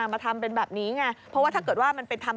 มาทำเป็นแบบนี้ไง